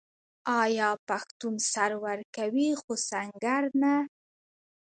آیا پښتون سر ورکوي خو سنګر نه؟